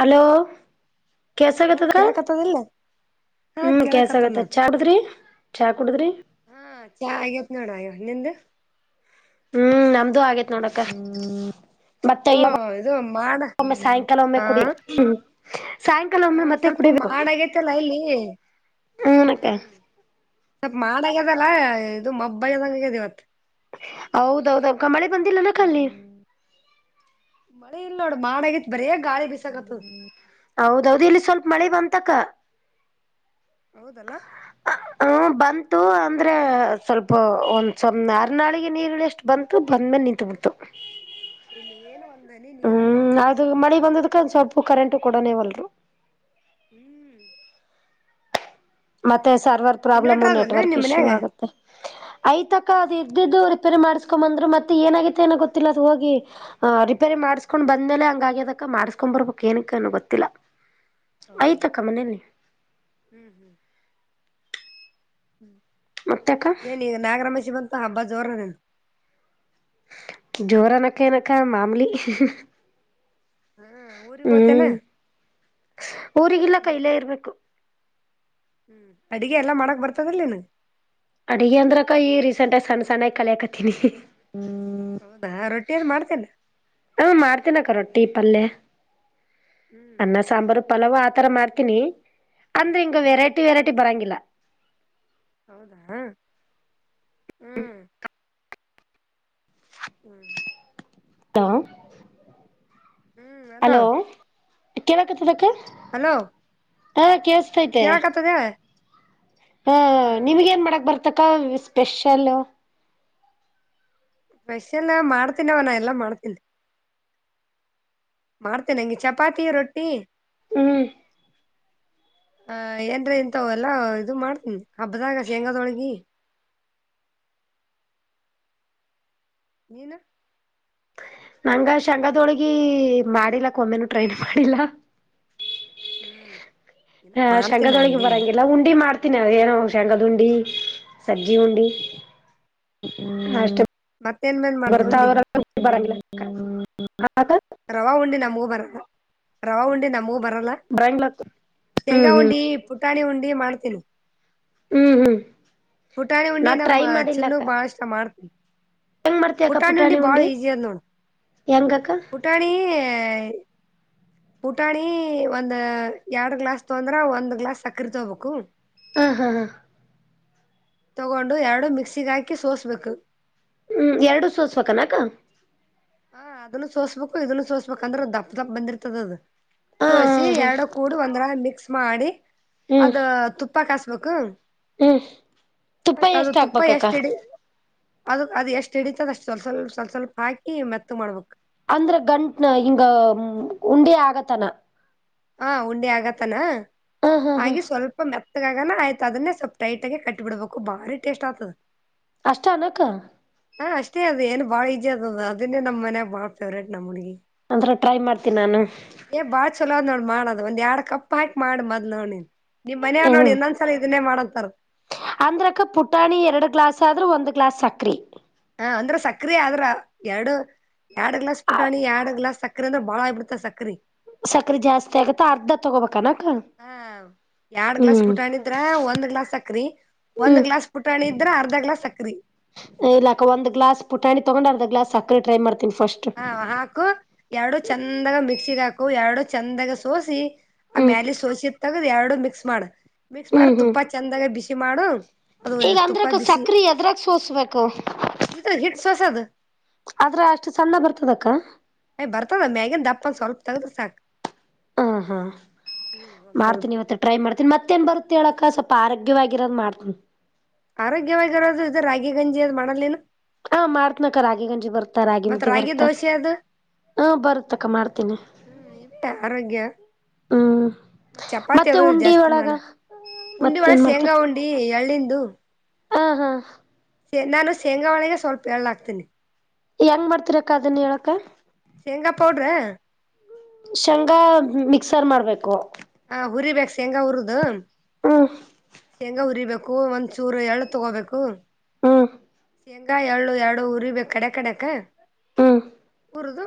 Hello ಹಾ ಕೆಸಗತ್ತದ ಕಳ್ಕ್ತದಲ್ಲೇ ಹ್ಮ್ ಕೆಸ ಆಗತ್ತಚ್ಚ ಮಾಡುದ್ರಿ ಹಾ ಚಾ ಆಗ ನೋಡಯೋ ನಿಂದ ಹ್ಮ್ ನಮ್ದು ಆಗೇತ್ ನೋಡಕ್ಕ ಹ್ಮ್ ಮತ್ತೆ ಸ್ವಲ್ಪ ಇಗ ಇದು ಮಾಡ ಒಮ್ಮೆ ಸಾಯಂಕಾಲ ಒಮ್ಮೆ ಹ ಕುಡಿ ಸಾಯಂಕಾಲ ಒಮ್ಮೆ ಹ ಮತ್ತೆ ಸ್ವಲ್ಪ ಕುಡಿಬೇಕು ಮಾಡಗೇತಲ್ಲ ಇಲ್ಲಿ ಹನಕ್ಕ ಹ್ಮ ಸ್ವಲ್ಪ ಮಾಡಗ್ಯದಲ್ಲ ಇದು ಮಬ್ಬಯ್ಯದಂಗಗ್ಯದ ಇವತ್ ಹೌದೌದಕ ಮಳೆ ಬಂದಿಲ್ಲ ನಕ ಖಾಲಿ ಮಳೆ ಇಲ್ಲ ನೋಡ ಮಾಡ ಆಗಿತ್ರಿಯ ಹೌದೌದು ಇಲ್ಲಿ ಸ್ವಲ್ಪ ಮಳೆ ಬಂತಕ್ಕ ಹೌದಲ್ಲ ಹ ಬಂತು ಅಂದ್ರೆ ಸ್ವಲ್ಪ ಒಂದ ಸನೆ ಅರ್ನಾಳಿಗೆ ನೀರುಳ ಎಷ್ಟು ಬಂತು ಬಂದ್ಮೇಲೆ ನಿಂತು ತಂಬುತ್ತ ಇಲ್ಲಿ ಏನು ವಂದಾನ ನೀರು ಇಲ್ಲನ ಕ ಸ್ವಲ್ಪ ಕರೆಂಟ್ ಕೊಡನೇವಲ್ರು ಹ್ಮ್ ಮತ್ತೆ ಸರ್ವರ್ ಪ್ರಾಬ್ಲಮು ಇನ್ವರ್ಟರ್ ಅದನ ನೆಟ್ವರ್ಕ್ ನಿಮ್ ಇಶ್ಯೂ ಮನ್ಯಾಗ ಆಗುತ್ತೆ ಐ ತಕ ಅದು ಇದ್ದಿದ್ದು ರಿಪೇರಿ ಮಾಡಸ್ಕೊಂಡ್ ಬಂದ್ರು ಮತ್ತೆ ಏನಾಗತ್ತ ಏನೋ ಗೊತ್ತಿಲ್ಲ ಅದು ಹೋಗಿ ರಿಪೇರಿ ಮಾಡ್ಸ್ಕೊಂಡ್ ಬಂದ ಮೇಲೆ ಹಂಗ ಆಗ್ಯದಕ ಮಾಡಸ್ಕೊಂಡ್ ಬರ್ಬೇಕಕ್ ಏನಕ್ಕೆ ಅನ್ನ ಗೊತ್ತಿಲ್ಲ ಹದ ಐತಕ್ಕ ಹ್ಮ್ ಮನೇಲಿ ಹ್ಮ್ ಹ್ಮ್ ಮತ್ತಕ್ಕ ಏನ್ ಈಗ ನಾಗರಮೇಶಿ ಬಂತ ಹಬ್ಬ ಜೋರ ನನ್ ಜೋರನಕ್ಕಏನಕ್ಕ ಮಾಮಲಿ ಹಾ ಊರಿಗ್ ಹೋತೇನ ಹ್ಮ್ ಊರಿಗೆಲ್ಲ ಹ್ಮ್ ಕೈಲೆ ಇರ್ಬೇಕು ಹ್ಮ್ ಅಡಗೆ ಎಲ್ಲಾ ಮಾಡಕ್ ಬರ್ತದಲ್ನು ಅಡಗ ಅಂದ್ರಕ್ಕ ಈ ರೀಸೆಂಟ್ಗ ಸಣ್ಣ ಸಣ್ಣ ಕಲಿಯಕತನಿ ಹೌದಾ ರೊಟ್ಟಿಂತ ಮಾಡ್ತೇನೆ ಹಾ ಮಾಡ್ತೀನಕ್ಕ ರೊಟ್ಟಿ ಪಲ್ಯ ಹ್ಮ್ ಅನ್ನ ಸಾಂಬಾರು ಪಲಾವ ಆ ಆ ತರ ಮಾಡ್ತೀನಿ ಅಂದ್ರೆ ಹಿಂಗ ಹ್ಮ್ ವೆರೈಟಿ ವೆರೈಟಿ ಬರಂಗಿಲ್ಲ ಹೌದಾ ಹ್ಮ್ ಹ್ಮ್ ತ ಹ್ಮ್ ಅಲೋ ಹಲೋ ಹೇಳತದಕ ಹಲೋ ಹ ಕೆಸ ಹೇಳಕತ್ತದ ಹಾ ನಿಮಗ ಏನ್ ಮಾಡಕ್ ಬರ್ತಕ್ಕ ಸ್ಪೆಷಲ್ ಸ್ಪೆಷಲ್ ಮಾಡ್ತನ್ವ ನ ಎಲ್ಲಾ ಮಾಡ್ತನ್ ಮಾಡ್ತೇನಿ ಅಂಗೆ ಚಪಾತಿ ರೊಟ್ಟಿ ಹ್ಮ್ ಆ ಏನ್ರೀ ಇಂತವೆಲ್ಲ ಇದು ಮಾಡ್ತಿನ್ ಹಬ್ದಾಗ ಶೇಂಗಾದೊಳ್ಗಿ ನೀನು ನಂಗ ಶೇಂಗದೊಳ್ಗಿ ಮಾಡಿಲ್ಲಕ್ಕ ಒಮ್ಮೆನು ಟ್ರೈ ಮಾಡಿಲ್ಲ ಹ್ಮ್ ಇಲ್ಲ ಹ ಮಾಡ್ತೀನ ಶೇಂಗಾದೊಳ್ಗೆ ಹಂಗೇನಿಲ್ಲ ಬರಂಗಿಲ್ಲ ಉಂಡಿ ಮಾಡ್ ತ್ತಿನ ಅ ಏನ ಶೇಂಗದುಂಡಿ, ಸಜ್ಜಿ ಉಂಡಿ ಅಷ್ಟ ಮತ್ತೇನ್ ಮೇನ್ ಮಾಡ್ತ ಉಂಡಿ [unintelligible] ರವ ಉಂಡಿ ನಮ್ವು ಬರಲ್ಲ, ರವಾ ಉಂಡಿ ನಮ್ವು ಬರಲ್ಲ ಬರಂಗಿಲ್ಲಕ್ಕ ಹ್ಮ್ ಶೇಂಗಾ ಹ್ಮ್ ಉಂಡಿ, ಪುಟಾಣಿ ಉಂಡಿ ಮಾಡ್ತೀನಿ ಹ್ಮ್ ಹ್ಮ್ ಪುಟಾಣಿ ಉಂಡಿ ನಾ ಟ್ರೈ ನಮ್ಮ ಮಾಡಿಲ್ಲಕ್ಕ ಚಿನ್ನುಗ್ ಬಾಳ್ ಇಷ್ಟ ಮಾಡ್ತಿನಿ ಹೆಂಗ್ ಮಾಡ್ತಿ ಅಕ್ಕ ಪುಟಾಣಿ ಉಂಡಿ ಈಜಿ ಅದ್ ನೋಡು ಹೆಂಗಕ್ಕ ಪುಟಾಣಿ ಈ [unintelligible] ಪುಟಾಣಿ ಒಂದ ಎರಡ್ ಗ್ಲಾಸ್ ತಗೊಂಡ್ರ ಒಂದ್ ಗ್ಲಾಸ್ ಸಕ್ರಿ ತೊಗೊಬೇಕು ಹಾ ಹಾ ಹಾ ತಗೊಂಡು ಎರ್ಡು ಮಿಕ್ಸಿಗ್ ಹಾಕಿ ಸೋಸ್ಬೇಕು ಹ್ಮ್ ಎರ್ಡು ಸೋರ್ಸ್ಬೇಕನಕ್ಕ ಹ ಅದುನ್ನು ಸೋಸ್ಬೇಕು, ಇದುನ್ನು ಸೋಸ್ಬೇಕ್ ಅಂದ್ರೆ ದಪ್ ದಪ್ ಬಂದಿರ್ತದದು ಹ ಸೋಸಿ ಹ ಎರ್ಡು ಕೂಡಿ ಒಂದ್ರಗ್ ಮಿಕ್ಸ್ ಮಾಡಿ ಹ್ಮ್ ಅದ ತುಪ್ ತುಪ್ಪ ಕಾಸ್ಬೇಕು, ಹ್ಮ್ ಮ ತುಪ್ಪ ಅದು ಎಷ್ಟ ತುಪ್ಪ ಎಷ್ಟ್ ಹಾಕ್ಬೇಕಕ್ಕ ಇಡಿ ಅದು ಅದ್ ಎಷ್ಟ್ ಹಿಡಿತದಷ್ಟು ಸ್ವಲ್ ಸ್ವಲ್ ಸ್ವಲ್ ಸ್ವಲ್ಪ್ ಹಾಕಿ ಮೆತ್ತುಗ್ ಮಾಡ್ಬೇಕ ಅಂದ್ರೆ ಗಂಟ್ನ ಹಿಂಗ ಉಂಡೆ ಆಗತನ ಹ ಉಂಡೆ ಆಗತನಾ ಹ ಹ ಹ ಹಾಗಿ ಸ್ವಲ್ಪ ಮೆತ್ ಮೆತ್ಗಾಗನ ಆಯ್ತ್ ಅದ್ನೇ ಸ್ವಲ್ಪ ಟೈಟಗಿ ಕಟ್ಬಿಡ್ಬೇಕು ಬಾರಿ ಟೇಸ್ಟ್ ಆತದ. ಅಷ್ಟ ಅನಕ್ಕ ಹಾ ಅಷ್ಟೇ ಅದು ಏನು ಬಾಳ ಈಜಿ ಅದದು, ಅದನ್ನೇ ನಮ್ ಮನ್ಯಾಗ್ ಬಾಳ್ ಫೇವ್ರೇಟ್ ನಮ್ ಹುಡ್ಗಿಗ್ ಅಂದ್ರ ಟ್ರೈ ಮಾಡ್ತೀನ್ ನಾನು ಏ ಬಾಳ್ ಚಲೋ ಅದ್ ನೋಡ್ ಮಾಡದ್ ಒಂದ್ ಎರಡ್ ಕಪ್ ಹಾಕಿ ಮಾಡ ಮದ್ ನೋಡ್ ನೀನು ನಿಮ್ ಮನೆ ಓರ್ ನೋಡ್ ಹ್ಮ್ ಇನ್ನೊಂದ್ಸಲ ಇದನ್ನೇ ಮಾಡಂತಾರ ಅಂದ್ರಕ್ಕ ಪುಟಾಣಿ ಎರ್ಡ್ ಗ್ಲಾಸ್ ಆದ್ರ ಒಂದ್ ಗ್ಲಾಸ್ ಸಕ್ರಿ ಹ ಅಂದ್ರಿ ಸಕ್ರಿ ಆದ್ರ ಎರ್ಡು ಎರ್ಡ್ ಗ್ಲಾಸ್ ಪುಟಾಣಿ, ಎರ್ಡ್ ಗ್ಲಾಸ್ ಸಕ್ರೆ ಅಂದ್ರೆ ಬಾಳ ಆಗ್ ಬಿಡ್ತದ್ ಸಕ್ರಿ ಸಕ್ರೆ ಜಾಸ್ತಿ ಆಗುತ್ ಅರ್ಧ ತೊಗೋಬೇಕನ ಹಾ ಎರಡ್ ಗ್ಲಾಸ್ ಪುಟಾಣಿದ್ರ ಒಂದ್ ಗ್ಲಾಸ್ ಸಕ್ರಿ ಒಂದ್ ಹ್ಮ್ ಗ್ಲಾಸ್ ಪುಟಾಣಿ ಇದ್ರ, ಅರ್ಧ ಗ್ಲಾಸ್ ಸಕ್ರಿ ಇಲ್ಲಾಕ್ಕ ಒಂದ್ ಗ್ಲಾಸ್ ಪುಟಾಣಿ ತೊಗೊಂಡ್ ಗ್ಲಾಸ್ ಸಕ್ರೆ ಟ್ರೈ ಮಾಡ್ ಹ ಹಾಕು, ಎರ್ಡು ಚಂದಗ ಮಿಕ್ಸಿಗ್ ಹಾಕು ಎರ್ಡು ಚಂದಗ ಸೋಸಿ ಆ ಹ್ಮ್ ಮ್ಯಾಲಿದ್ ಸೋಸಿ ತಗ್ದ್ ಎರಡು ಮಿಕ್ಸ್ ಮಾಡು, ಮಿಕ್ಸ್ ಮಾಡ್ ಹ್ಮ್ ಹ್ಮ್ ತುಪ್ಪ ಚಂದಗ ಬಿಸಿ ಮಾಡು ಅದು ಈಗ ತುಪ್ಪ ಅಂದ್ರಕ್ಕ ಬಿಸಿ ಸಕ್ರಿ ಎದ್ರಾಗ್ ಸೋಸ್ಬೇಕು? ಇದು ಹಿಟ್ ಸೋಸದು ಆದ್ರಗ್ ಅಷ್ಟ್ ಸಣ್ಣ ಬರ್ತದಕ್ಕ ಹೆ ಬರ್ತದ ಮ್ಯಾಗನ್ ದಪ್ಪಂದ್ ಸ್ವಲ್ಪ ತಗ್ದ್ರ್ ಸಾಕ್ ಹಾ ಹಾ ಹ್ಮ್ ಒಂದ್ ಸ್ವಲ್ಪ ಮಾಡ್ತೀನಿ ಇವತ್ ಟ್ರೈ ಮಾಡ್ತೀನಿ, ಮತ್ತೇನ್ ಬರುತ್ತ ಹೇಳಕ್ಕ ಸ್ವಲ್ಪ ಆರೋಗ್ಯವಾಗಿರೋದ್ ಮಾಡ್ತಿನಿ ಆರೋಗ್ಯವಾಗಿರೋದು ಇದು ರಾಗಿ ಗಂಜಿ ಅದ್ ಮಾಡಲ್ ನೀನು ಹಾ ಮಾಡ್ತ್ನಕ ರಾಗಿ ಗಂಜಿ ಬರುತ್ತ, ರಾಗಿ ಮತ್ ಮುದ್ದಿ ಬರುತ್ತ ದೋಸೆ ಅದು ಹಾ ಬರುತ್ತಕ್ಕ ಮಾಡ್ತೀನಿ. ಹ್ಮ್ ಇವೆ ಆರೋಗ್ಯ ಹ್ಮ್ ಮತ್ ಚಪಾತಿ ಮತ್ತೆ ಅದು ಉಂಡಿ ಜಾಸ್ತಿ ಒಳಗ ಮಾಡ ಉಂಡಿ ಒಳಗ ಮತ್ತೇನ್ ಶೇಂಗಾ ಉಂಡಿ ಎಳ್ಳಂಡಿ ಹಾ ಹಾ ನಾನು ಶೇಂಗಾ ಒಳಗ ಸ್ವಲ್ಪ ಏಳಹಾಕ್ತನೆ ಹೆಂಗ್ ಮಾಡ್ತಿರಕ್ಕ ಅದನ್ ಹೇಳಕ್ಕ ಶೇಂಗಾ ಪೌಡರ್ ಶೇಂಗಾ ಮಿಕ್ಸರ್ ಮಾಡ್ಬೇಕು ಹ ಹುರಿಬೇಕ ಶೇಂಗಾ ಹುರದು ಹ್ಮ್ ಶೇಂಗಾ ಹುರಿಬೇಕು ಬು ಒಂದ್ ಚೂರು ಎಳ್ ತಗೋಬೇಕು ಹ್ಮ ಶೇಂಗಾ ಎಳ್ಳು ಎರಡು ಉರಿಬೇಕ ಕಡೆ ಕಡೆಕ್ ಹ್ಮ್ ಹುರಿದು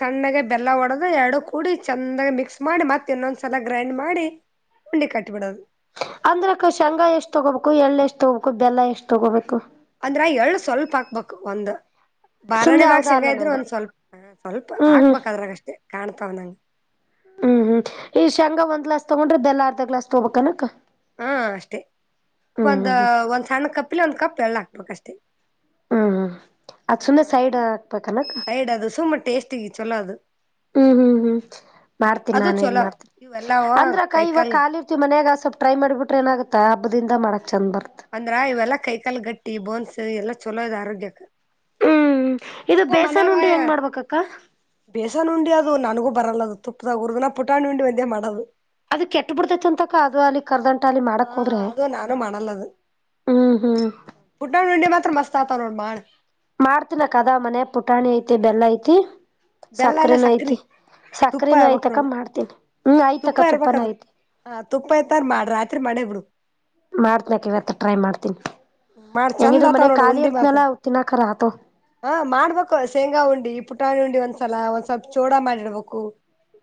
ಸಣ್ಣಾಗ ಬೆಲ್ಲ ಒಡೆದು ಎರಡು ಕೂಡಿ ಚಂದಾಗಿ ಮಿಕ್ಸ್ ಮಾಡಿ ಮತ್ತ ಇನ್ನೊಂದ ಸಲ ಗ್ರೈಂಡ್ ಮಾಡಿ ಉಂಡೆ ಕಟ್ಟಿಬಿಡೋದು ಅಂದ್ರಕ್ಕ ಶೇಂಗಾ ಎಷ್ಟ್ ತೊಗೋಬೇಕು ಎಳ್ಳ ಎಷ್ಟು ತಗೋಬೇಕು ಬೆಲ್ಲ ಎಷ್ಟ್ ತಗೋಬೇಕು ಅಂದ್ರ ಎಳ್ ಸ್ವಲ್ಪ ಹಾಕ್ಬೇಕು ಒಂದ ಬಾರಣೆ ಸುಮ್ನೆ ಬಾಗ ಯಾವ್ದ ಅಲ್ಲ ಶೇಂಗ ಇದ್ರರು ನಂಗ ಒಂದ್ ಸ್ವಲ್ಪ ಸ್ವಲ್ಪ ಹ್ಮ್ ಹ್ಮ್ ಹಾಕ್ಬೇಕಾದ್ರಾಗಷ್ಟೆ ಕಾಣ್ತಾವನಂಗ ಹ್ಮ್ ಹ್ಮ್ ಈ ಶೇಂಗಾ ಒಂದ್ ಗ್ಲಾಸ್ ತಗೊಂಡ್ರದ್ದ ಎಲ್ಲ ಅರ್ಧ ಗ್ಲಾಸ್ ತಗೋಬೇಕ್ ಅನಕ್ಕ ಹಾ ಅಷ್ಟೇ ಒಂದು ಹ್ಮ್ ಒಂದು ಸಣ್ಣ ಕಪ್ಪಿಲ್ಲೆ ಒಂದು ಕಪ್ ಎಳ್ಳು ಹಾಕ್ಬೇಕಷ್ಟೆ ಹ್ಮ್ ಹ್ಮ್ ಅದ್ ಸುಮ್ನೆ ಸೈಡ್ ಹಾಕ್ಬೇಕನಕ್ಕ ಸೈಡ್ ಅದು ಸುಮ್ಮ ಟೇಸ್ಟಿಗೆ ಚಲೋ ಅದ ಹ್ಮ್ ಹ್ಮ್ ಹ್ಮ್ ಹ್ಮ್ ಮಾಡ್ತೀನಿ ಅದು ನಾನನ್ ಏನ್ ಚಲೋ ಮಾಡ್ತೀನಿ ಇವೆಲ್ಲವ ಅಂದ್ರಕ್ಕ ಇವಾಗ ಕೈಕಾಲ್ ಕಾಲಿರ್ತಿ ಮನ್ಯಾಗ ಸ್ವಲ್ ಟ್ರೈ ಮಾಡ ಬಿಟ್ರ ಏನ ಆಗತ್ತ ಹಬ್ಬದಿಂದ ಮಾಡಕ್ ಚಂದ ಬರ ಅಂದ್ರ ಇವೆಲ್ಲಾ ಕೈಕಾಲ್ ಗಟ್ಟಿ ಬೋನ್ಸ್ ಎಲ್ಲಾ ಚಲೋ ಇದ ಆರೋಗ್ಯಕ್ ಹ್ಮ್ ಇದು ನಿಮ್ಗೂ ಬೇಸನ್ ಮನ್ಯಾಗ ಉಂಡಿ ಹೆಂಗ್ ಮಾಡ್ಬೇಕಕ್ಕ ಬೇಸನ್ ಉಂಡಿ ಅದು ನನಗೂಬ ಬರಲ್ಲದು ತುಪ್ಪದ ಊರ್ ದಿನ ಪುಟಾಣಂಡಿ ಒಂದೇ ಮಾಡೋದು ಅದ ಕೆಟ್ಟ ಬಿಡತೈತ್ ಅಂತ ಅಕ್ಕಾ ಅದು ಅಲ್ಲಿ ಕರ್ದಟ ಹಾ ಅದು ನಾನು ಮಾಡಣಲ್ಲದ ಹ್ಮ್ ಹ್ಮ್ ಪುಟ್ಟಾಣಿ ಉಂಡಿ ಮಾತ್ರ ಮಸ್ತ್ ಆತವ ನೋಡ ಮಾಡ ಮಾಡ್ತಿನ ಅಕ್ಕ ದ ಮನೆ ಪುಟಾಣಿ ಐತಿ ಬೆಲ್ಲ ಐತಿ ಬೆಲ್ಲ ಅಲ್ಲಾ ಸಕ್ಕ್ರಿ ಸಕ್ರಿನ ಐಯ್ತ ಅಕ್ಕಾ ಮಾಡ್ತೀನಿ ಹ್ಮ್ ಆಯ್ತಕ ತುಪ್ಪಾನ ಐತಿ ಹ ತುಪ್ಪಾಐತಾ ಮಾಡಿ ರಾತ್ರಿ ಮಾಡೇ ಬಿಡು ಮಾಡ್ತನಕ ಇವತ್ತ ಟ್ರೈ ಮಾಡ್ತನಿ ಮಾಡ್ ಚಂದ ಹೆಂಗಿದ್ರ ಮನೆ ಆತಾವ್ ನೋಡು ಖಾಲಿ ಉಂಡಿ ಮಾತ್ರ ಇರ್ತ್ನಲ್ಲ ತಿನಾಕರ ಹಾ ಮಾಡ್ಬೇಕು ಶೇಂಗಾ ಉಂಡಿ ಪುಟ್ಟಾ ಪುಟಾಣಿ ಉಂಡಿ ಒಂದ್ಸಲ ಒಂದ್ ಸ್ವಲ್ಪ ಚೋಡಾ ಮಾಡಿಡ್ಬೇಕು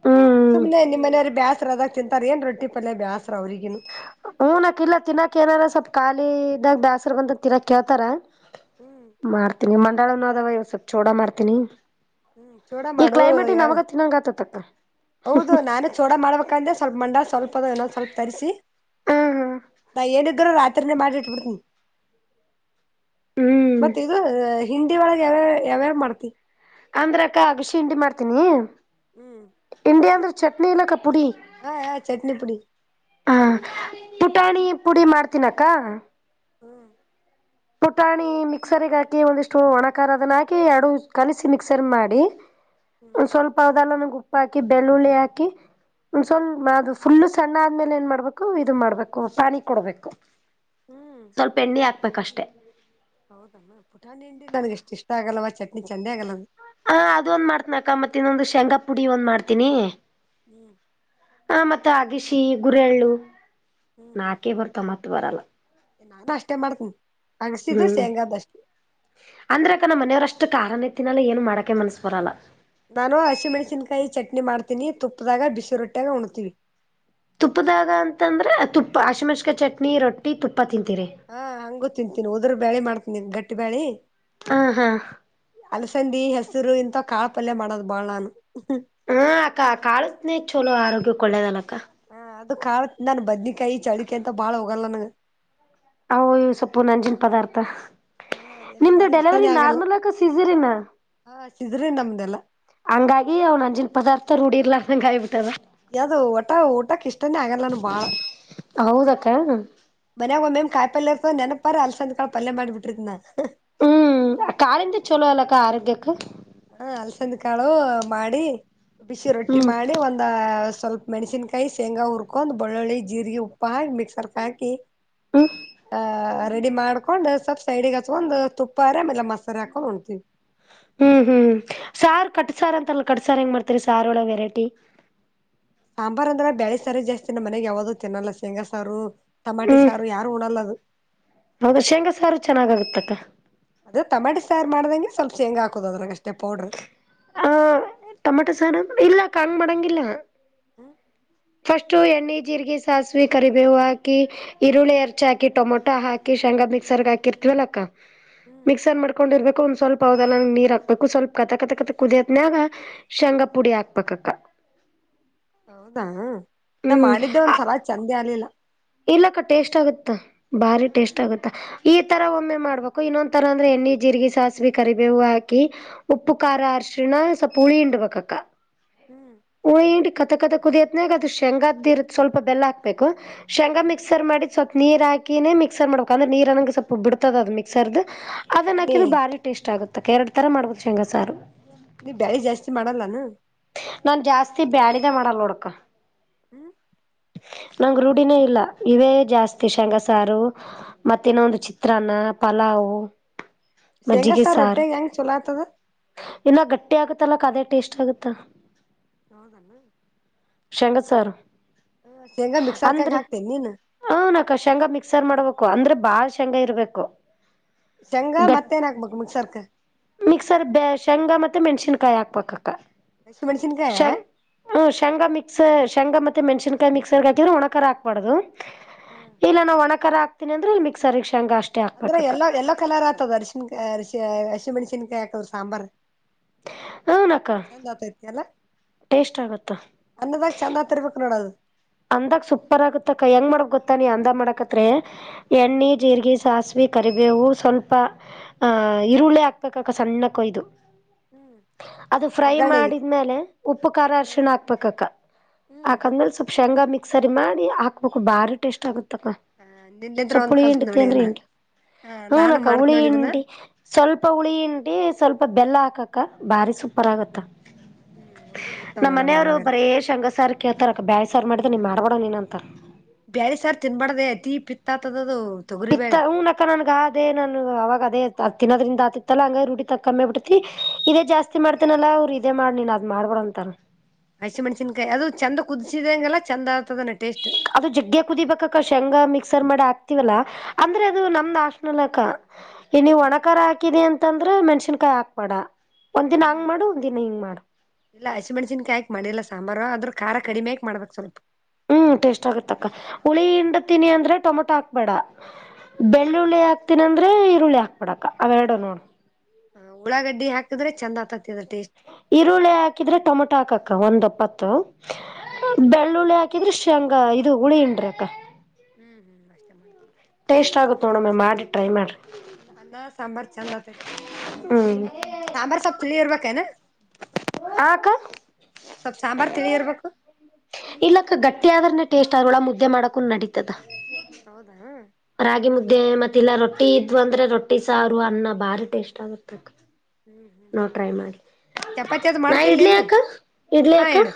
ಹ್ಮ್ ಸುಮ್ಮ್ನೆ ನಿಮ್ಮ ಮನೆಯವ್ರ ಬ್ಯಾಸ್ರ ಅದ ತಿಂತಾರ ಏನ್ ರೊಟ್ಟಿ ಪಲ್ಯ ಬ್ಯಾಸರ ಊನಕ್ ಇಲ್ಲ ತಿನ್ನಾಕ್ ಏನಾರ ಸ್ವಲ್ಪ ಖಾಲಿದಾಗ ಬ್ಯಾಸರ ಬಂದ ತಿನ್ನಾಕ್ ಕೇಳ್ತಾರ ಹ್ಮ್ ಮಾಡ್ತೀನಿ ಮಂಡಳನ ಅದಾವ ಇವ ಸ್ವಲ್ಪ್ ಚೋಡಾ ಮಾಡ್ತೀನಿ ಹ್ಮ್ ಚೂಡ ಈ ಮಾಡು ಕ್ಲೈಮೇಟ್ ನ್ ನಮಗ ತಿನ್ನಂಗ ಆಗತೈತಕ್ಕ ಹೌದು ನಾನು ಚೋಡಾ ಮಾಡಬೇಕಂದ್ರೆ ಸ್ವಲ್ಪ ಮಂಡಾಳ ಸ್ವಲ್ಪ ತರಿಸಿ ನಾ ಏನಿದ್ರರು ರಾತ್ರಿ ರಾತ್ರಿನೇ ಮಾಡಿ ಹ್ಮ್ ಇಟ್ಟಬಿಡುತ್ತನ ಹಿಂದಿ ಒಳಗೆ ಯಾವ್ಯ ಯಾವ್ಯಾವ ಮಾಡ್ತಿ ಅಂದ್ರ ಅಕ್ಕ ಅಗಶಿಂಡಿ ಮಾಡ್ತೀನಿ ಹ್ಮ್ ಹಿಂಡಿ ಅಂದ್ರ ಚಟ್ನಿ ಇಲ್ ಅಕ್ಕಾ ಹಾ ಹಾ ಚಟ್ನಿ ಪುಡಿ ಹ ಪುಟಾಣಿ ಪುಡಿ ಮಾಡ್ತೀನಕ್ಕ ಹ್ಮ್ ಪುಟಾಣಿ ಮಿಕ್ಸರ್ಗ ಹಾಕಿ ಒಂದಿಷ್ಟು ಒಣಕಾರ ಅದನ್ನ ಹಾಕಿ ಎರಡು ಕಲಿಸಿ ಮಿಕ್ಸರ್ ಮಾಡಿ ಹ್ಮ್ ಒ ಸ್ವಲ್ಪ ಅದೆಲ್ಲನ ಉುಪ್ಪ ಹಾಕಿ ಬೆಳ್ಳುಳ್ಳಿ ಹಾಕಿ ಒ್ ಸ್ವಲ್ ಅ ಫುಲ್ಲು ಸಣ್ಣ ಆದ್ಮೇಲೆ ಏನ್ ಮಾಡ್ಬೇಕು ಇದು ಮಾಡ್ಬೇಕು ಪಾನಿ ಕೊಡ್ಬೇಕು ಸ್ವಲ್ಪ ಎಣ್ಣೆ ಹಾಕ್ಬೇಕಷ್ಟೆ ಹೌದ ಪುಟಾಣ ಹಂಡ ನನ್ಗೆ ಎಷ್ಟು ಇಷ್ಟ ಆಗಲ್ವಾ ಚಟ್ನಿ ಚೆಂದೆ ಆಗಲ್ಲ ಹಾ ಅದೊಂದ್ ಮಾಡ್ತನ ಅಕ್ಕ ಮತ್ತೆ ಇನ್ನೊಂದು ಶೇಂಗಾ ಪುಡಿ ಒಂದ್ ಮಾಡ್ತೀನಿ ಹ್ಮ್ ಮತ್ ಅಗಶಿ ಗುರೆಳ್ಳು ಹ್ಮ್ ಹ್ಮ್ ನಾಕೆ ಬರ್ತ ಮತ್ ಬರಲ್ಲ ಅಷ್ಟೇ ಮಾಡ್ಕ ಹ್ಮ್ ಅಂದ್ರ ಅಕಣ ಮನೆಯವ್ರಷ್ಟೇ ಅಷ್ಟು ಕಾರಣ ಇತ್ತಿನಲ್ಲ ಏನು ಮಾಡಕೆ ಮನಸ್ ಬರಲ್ಲ ನಾನು ಹಸಿಮೆಣಸಿನ್ಕಾಯಿ ಚಟ್ನಿ ಮಾಡ್ತೀನಿ ತುಪ್ಪದಾಗ ಬಿಸಿ ರೊಟ್ಟಾಗ ಉಣ್ತೀವಿ ತುಪ್ಪದಾಗ ಅಂತಂದ್ರೆ ತುಪ್ಪ ಅಶಮಷಕ ಚಟ್ನಿ ರೊಟ್ಟಿ ತುಪ್ಪ ತಿಂತೀರಿ. ಹಾ ಹಂಗು ತಿಂತೀನಿ ಉದ್ರ ಬ್ಯಾಳಿ ಮಾಡ್ತನಿ ಗಟ್ಟಿ ಬ್ಯಾಳೆ ಹ ಹಾ ಅಲಸಂದಿ ಹೆಸರು ಇಂಥ ಕಾಳ ಪಲ್ಯ ಮಾಡೋದು್ ಬಾಳಾನು ಹಾ ಅಕ್ಕ ಕಾಳತ್ನೇ ಚಲೋ ಆರೋಗ್ಯ ಒಳ್ಳೇದಲಕ್ಕ ಹ ಅದು ಕಾಲ ನನ್ ಬದ್ನಕಾಯಿ ಚಳಿಕಿ ಅಂತ ಬಾಳ್ ಹೋಗಲ್ಲ ನನಗ ಅ ಇವ ಸೊಪ್ಪು ನಂಜಿನ ಪದಾರ್ಥ ಹಾ ಏನ ನಿಮ್ದು ನನ್ಗ್ ಇಷ್ಟಾನೇ ಡೆಲಿವರಿ ನಾರ್ಮಲ್ ಆಕ ಸೀಜರಿನಾ ಇದ್ರೆ ನಮ್ದೆಲ್ಲಾ ಹಂಗಾಗಿ ಅವ್ನ ಅಂಜಿನ ಪದಾರ್ಥ ರೂಢಿರ್ಲಾರಂಗ ಆಾಯ್ಬಿಟ್ಟದ ಯಾವ್ದು ಊಟ ಊಟಕ್ ಇಷ್ಟನೆೇ ಆಗಲ್ಲ ನಾನು ಬಾಳ ಹೌದಕ್ಕ ನನ ಒ ಮಮ ಕಾಯ ಪಲ್ ಇರ್ತ ನೆನಪರ ಅಲ್ಲಿ ಸಂಂದ ಕಳ ಪಲ್ಯ ಮಾಡಿಬಿಟ್ಟ್ರಿದನ ಹ್ಮ್ ಕಾಲೆಿಂದ ಚಛಲೋಲ್ಲಕ್ಕಾ ಆರೋಗ್ಯಕ್ಕೆ ಹ ಅಲ್ಸಂದ್ ಕಾಳು ಮಾಡಿ ಬಿಸಿ ರೊಟ್ಟಿ ಹ್ಮ್ ಮಾಡಿ ಒಂದ ಸ್ವಲ್ಪ ಮೆಣಸನ್ಕಾಯಿ ಶೇಂಗಾ ಹುರ್ಕೊಂಡ್ ಬೆಳ್ಳುಳ್ಳಿ ಜೀರಿಗೆ ಉಪ್ಪ ಹಾಕಿ ಮಿಕ್ಸರ್ಕ್ ಹಾಕಿ ಹ್ಮ ರೆಡಿ ಮಾಡ್ಕೊಂಡ್ ಸ್ವಲ್ಪ ಸೈಡಿಗೆ ಹಚ್ಕೊಂಡ್ ತುಪ್ಪಾರೆ ಆಮೇಲೆ ಮಸಾರಿ ಹಾಕೊಂಡ್ ಹೊಣ್ತಿೀವಿ ಹ್ಮ್ ಹ್ಮ್ ಸಾರು ಕಟ್ ಸಾರು ಅಂತಲ್ಲ ಕಟ್ ಸಾರ್ ಹೆಂಗ ಮಾಡ್ತರಿ ಸಾರ ಒಳ ವೆರೈಟಿ ಸಾಂಬಾರ್ು ಅಂದ್ರೆ ಬೇಳೆ ಸಾರು ಜಾಸ್ತಿ ನಮ್ಮ ಮನೆಗೆ ಯಾವ್ದೂ ತಿನ್ನಲ್ಲ ಶೇಂಗ ಸಾರು ಟಮಾಟಿ ಹ್ಮ್ ಸಾರು ಯಾರು ಉಣಲ್ಲದು ಹೌದಾ ಶೇಂಗಾ ಸಾರು ಚೆನ್ನಾಗಾಗತ್ತಕ್ಕ ಅದ ತಮಾಟಿ ಸಯಾರು ಮಾಡ್ದಂಗೆ ಸ್ವಲ್ಪ ಹೆಂಗ್ ಹಾಕುದು ಅದ್ರಾಗಷ್ಟ ಹಾ ಟೊಮಟೊ ಸಾರ ಇಲ್ಲ ಕಣ ಮಡಂಗಿಲ್ಲ ಹ್ಮ ಫಸ್ಟ್ ಎಣ್ಣೆ ಜೀರಿಗೆ ಸಾಸಿವ ಕರಿಬೇವು ಹಾಕಿ ಈರುಳ್ಳಿ ಎರ್ಚ್ ಹಾಕಿ ಟೊಮೊಟೊ ಹಾಕಿ ಮಿರ್ ಹಕಿರ್ ಮಿಕ್ಸರ್ ಮಾಡ್ೊಂಡರ್ ಸ್ವಲ್ಪ ಅವದೆಲ್ಲಂಗ ನೀರ್ ಹಾಕ್ಬೇಕು ಸ್ವಲ್ಪ ಕತಕತಕತ ಕುದಿಯದನಾಗ ಶೇಂಗಾ ಪುಡಿ ಹಾಕ್ಬೇಕಕ್ಕ [unintelligible] ಹೌದಾ ನಾ್ ಹ್ಮ್ ಮಾಡಿದ್ದೆ ಒಂದ್ಸಲ ಚೆಂದ ಆಗ್ಲಿಲ್ಲ ಇಲ್ಲಕ್ಕ ಟೇಸ್ಟ್ ಆಗುತ್ತ ಭಾರಿ ಟೇಸ್ಟ್ ಆಗುತ್ತಾ ಈ ತರ ಒಮ್ಮೆ ಮಾಡ್ಬೇಕು ಇನ್ನೊ್ ತರ ಅಂದ್ರೆ ಏ ಣ್ಣ ಜೀರಿಗೆ ಸಾಸಿವ ಕರಿಬೇವು ಹಾಕಿ ಉಪ್ಪು ಖಾರ ಅರರ್ಶಣ ಸ್ವಲ್ಪ ಹುಳಿ ಹಂಡ್ಬಬೇಕಕ್ಕ ಹ್ಮ್ ಹಂಡಿ ಕತಕತ ಕುದಿಯತ್ನಾಗ ಅದು ಶೇಂಗಾದ್ದಿ ಇರದ ಸ್ವಲ್ಪ ಬೆಲ್ಲ ಹಾಕ್ಬೇಕು ಶೇಂಗ ಮಕ್ಸರ್ ಮಾಡಿ ಸ್ವಲ್ಪ ನೀ ಹಾಕಿನೇ ಮಿಕ್ಸರ್ ಮಾಡಬೇಕ ಅಂದ್ರೆ ನೀರ್ ಅನಂಗೆ ಸ್ವಲ್ಪ ಅದನ್ನ ಎಣ್ಣೆ ಹಾಕಿದ್ರೆ ಬಾರಿ ಟೇಸ್ಟ್ ಆಗುತ್ತ ಕೆ ಎರಡ್ ತರ ಮಾಡ್ಬೋದು ಶೇಂಗಸಾರು ನೀ ಬೇರೆ ಜಾಸ್ತಿ ಮಾಡಲ್ಲಾನ ನಾ ಜಾಸ್ತಿ ಬ್ಯಾಡಿಗೆ ಮಾಡಲ್ಲ ನೋಡಕ ಹ್ಮ್ [unintelligible] ನಂ್ ರೂಢಿನೇ ಇಲ್ಲ ಇವೇ ಜಾಸ್ತಿ ಶೇಂಗಸಾರು ಮತ್ತೇನ ಒಂದು ಚಿತ್ರಾನ್ನ ಪಲಾವ್ ಶೇಂಗಾ ಮಜ್ಜಿಗೆ ಸಾರ್ ರೊಟ್ಟ್ಯಾಗ ಹೆಂಗ್ ಚಲೋ ಆತದ ಇಲ್ಲ ಗಟ್ಟಿ ಆಗುತ್ತೆ ಲಕ್ ಅದೇ ಟೇಸ್ಟ್ ಆಗುತ್ತಾ ಹೌದಲ್ಲ ಸಾರು ಅಂದ್ರೆ ಹಾಕ್ತೇನಿ ನೀನು ಹ ನಕಷಂಗ ಮಿಕ್ಸರ್ ಮಾಡ್ಬೇಕು ಅಂದ್ರೆ ಬಾಳ್ ಶಂಗ ಇರ್ಬೇಕು ಶೇಂಗಾ ಗ [unintelligible] ಮತ್ತೇನ್ ಹಾಕ್ಬೇಕು ಮಿಕ್ಸರ್ಕ ಮಿಕ್ಸರ್ ಶೇಂಗ ಮ ಮೆಣಸಿನ್ಕಾಯಿ ಹಾಕ್ಬೇಕಕ್ಕ ಹಸಿ ಮೆಣಸಿನ್ಕಾಯ ಹ ಶೇಂಗಾ ಮಿಕ್ಸ್ ಶೇಂಗಾ ಮೆ ಮೆಣಸನ್ಕಾಯಿ ಮಿಕ್ಸರ್ ಹಕಿದ್ರೆ ಒಣಕರ ಹಕ್ಬಾರುದು ಇಲ್ಲ ನಾವು ಒಣಕ ಹಾತೀನಿ ಅಂದೆ ಇಲ್ಲಿ ಮಿಕ್ಸರ್ ಅಂದ್ರೆ ಎಲ್ಲೋ ಎಲ್ಲೋ ಕಲರ್ ಆಗ್ತದ ಅರಶಿಿನಕಾಯಿಶಿ ಅರಿಿೆಣಸನ್ಕಾಯಿ ಹಾಕದ್ರ ಸಾಂಬಾರ್ ಹನಕ್ಕ ಚ ಜತ ಇ ಕೆಲ್ಲ [unintelligible] ಟೇಸ್ಟ್ ಆಗುತ್ತ ಅನ್ನದಾಗ ಚೆಂದ ಆತಿರ್ಬೇಕು [unintelligible] ನೋಡದು ಅಂದಕ್ ಸೂಪರ್ ಆಗತ್ತಕ್ಕ ಹೆಂಗ್ ಮಾಡಕ್ ಗೊತ್ತ ನೀ ಅಂದ ಮಾಡಕತ್ೆ [unintelligible] ಎಣ್ಣಿ ಜೀರ್ರಿಗೆ ಸಾಸಿವ ಕರಿಬೇವು ಸ್ವಲ್ಪ ಈರುಳ್ಳಿ ಹಾಕ್ಬೇಕಕ ಸಣ್ಣ ಕೊಯ್ದು ಅದು ಫ್ರೈ ಒಗ್ಗರಣೆಗೆ ಮಾಡಿದ್ಮೇಲೆ ಉಪ್ಪು ಖಾರ ಅರಶಿಣ ಹಾಕ್ಪಕ್ಕಕ್ಕ ಹಾಕಂದ್ಮೇಲೆ ಸ್ವಲ್ಪ ಶೇಂಗಾ ಮಿಕ್ಸರಿ ಮಾಡಿ ಹಾಕ್ಬೇಕು ಭಾರಿ ಟೇಸ್ಟ್ ಆಗುತ್ತೆ ಕ್ಕ ಹ ನಿನ್ನಿದ್ರ ಒಂದ್ ಸೊಪ್ಪುಳಿ ಕಲ್ತ್ ಎಟತಿ ನೋಡಿ ಅಂದ್ರೆ ಇದನ್ನ ಎಟು ಹ ಹೂನ ನಾನು ಅಕ್ಕ ಮಾಡ್ತ್ ಹುಳಿ ನೋಡಿ ಇದನ್ನ ಇಂಟಿ ಸ್ವಲ್ಪ ಹುಳಿ ಇಂಟಿ ಸ್ವಲ್ಪ ಬೆಲ್ಲ ಹಾಕಕ್ಕ ಬಾರಿ ಸೂಪರ್ ಹ್ಮ್ ಆಗತ್ತ ಹ್ಮ್ ಹುಡುಗರು ಉಣ್ತಾವ್ ನಮ್ಮ ನೋಡಮ್ಮ ಮನೆಯವ್ರು ಯಾವಾಗರ ಬರೇ ಶಂಗಸಾರ ಕಳ್ತಾರ ಬ ಸರ್ ಮಾಡಿದೆ ನೀ ಮಾಡ್ಬಡಣ ನೀನ ಅಂತ ಬ್ಯಾರಿ ಸಾರ್ ತಿನ್ಬಾ್ದ ಅತಿ ಪಿತ್ತ ಆತದದು ತೊಗರಿ ಬ್ಯಾಳಿ ಪಿತ್ತ ಹೂನಕ್ಕ ನನ್ಗಾ ಅದೇ ನಾನ ಅವಾಗ ಅದೇ ತಿನ್ನೋದ್ರಿಂದ ದಾತಿತ್ತಲ್ಲ ಹಂಗ ರರುಟ್ಟಿ ತಕ್ಕಕಮ್ಮಿ ಬಿಟ್ಟತಿ ಇದೇ ಜಾಸ್ತಿ ಮಾಡ್ತೇನಲ್ಲ ಅವ್ರು ಇದೇ ಮಾಡಿ ನೀನ್ ಅದ್ ಮಾಡ್ಬೋಂತ ತ್ತ [unintelligible] ಹಚ್ಚಿ ಮಣಸನ್ಕಾಯಿ ಅದು ಚಂದ ಕುದಿಸಿದಂಗಲ್ಲ ಚಂದ ಆಗ್ತದನ ಟೇಸ್ಟ್ ಅದು ಜಗ್ಗೆ ಕುದಿಬೇಕಕ್ಕ ಶಂಗ ಮಿಕ್ ರ್ ಮಾಡಿ ಆಕ್ತವಲ್ಲಾ ಅಂದ್ರೆ ಅದು ನಮ್ದಾಶನಕ ಇ ಹ್ಮ್ ಒಣಕಾರರ ಹಾಕಿದೆ ಅಂತಂದ ಅದ್ರೆಣಸನ್ಕಾಯಿ ಹಾಕ್ಬೇಡ ಒಂದ್ ದಿನ ಹಂಗ್ ಹ್ಮ್ ಮಾಡು ಒಂದ್ ದಿನ ಹಿಂಗ್ ಮಾಡು ಇಲ್ಲ ಹಸಿ ಮೆಣ್ಸನ್ಕಾಯಾಕ್ ಮಾಡಿಲ್ಲ ಸಾ ಅಂಬಾರ ಅದ್ರ ಖಾರ ಕಡಿಮೆಕ್ ಮಾಡ್ಬೇಕಕ್ ಸ್ವಲ್ಪ ಹ್ಮ್ ಟೇಸ್ಟ್ ಆಗತಕ್ಕ ಹುಳಿ ಹಿಂಡತೀನಿ ಅಂದ್ರೆ ಟೊಮೊಟೊ ಹಾಕ್ಬೇಡ ಹ್ಮ್ ಬೆಳ್ಳುಳ್ಳಿ ಹಾಕ್ತನಂದ್ರೆ ಈರುಳ್ಳಿ ಹಾಕ್ಬಿಡಕ್ಕ ಅವೆರಡು ನೋಡು ಹ ಉಳಾಗಡ್ಡಿ ಹಾಕಿದ್ರ ಚಂದ ಆತತಿ ಅದ್ರ ಟೇಸ್ಟ್ ಈರುಳ್ಳಿ ಹಾಕಿದ್ರೆ ಟೊಮೊಟೊ ಹಾಕಕ್ಕ ಒಂದ್ಪ್ಪತ್ತು ಹ್ಮ್ ಬೆಳ್ಳುಳ್ಳಿ ಹಾಕ ಯಾ ದೃಶ್ಯಂಗ ಇದು ಹುಳಿ ಇಂಡ್ರಕ್ಕ ಹ್ಮ್ ಹ್ಮ್ ಮಷ್ಟ [unintelligible] ಮಾಡ್ತೀನಿ ಟೇಸ್ಟ್ ಆಗುತ್ತ ನೋಣಮ ಮಾಡಿ ಟೈ ಮಾಡ್ರಿ ಅನ್ನ ಸಾಂಬಾರ್ ಚಂದ್ ಆತೈತೆ ನೋಡಮ ಹ್ಮ್ ಸಾಂಬಾರ್ ಹುಳಿ ಇರ್ಬೇಕ ಕನಾ [unintelligible] ಹಾಕ [unintelligible] ಸ್ವಲ್ಪ್ ಸಾಂಬಾರ್ ತಿಳಿ ಇರ್ಬೇಕು ಇಲ್ಲಕ್ಕ ಗಟ್ಟಿ ಆದ್ರನನೆ ಟೇಸ್ಟ್ ಆದ್ರಳ ಮುದ್ದೆ ಮಾಡಕುನ್ ನಡೀತದ ಹೌದಾ ಇೇ [unintelligible] ಮತ್ತ ಇಲ್ಲ ರೊಟ್ಟಿ ಇದ್ವ ಅಂದ್ರೆ ರೊಟ್ಟಿ ಸಾರು ಅನ್ನ ಭಾರಿ ಟೇಸ್ಟ್ ಆಗತ್ತಕ್ ಹ್ಮ್ ನಾ ಟ್ರೈ ಮಾಡ್ತೀನಿ ಮಾಡ್ ನೋಡು ಚಪಾತಿ ಅದು ನಾ ಇಡ್ಲಿ ಮಾಡ್ತಿರ್ಲೇನು ಅಕ ಇಡ್ಲಿ ಹಾ ಅಕ್ಕ ಹೇಳು